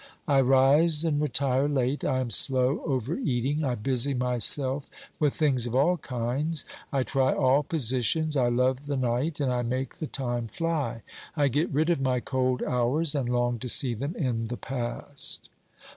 I rise and retire late, I am slow over eating, I busy myself with things of all kinds, I try all positions, I love the night and I make the time fly ; I get rid of my cold hours and long to see them in the past.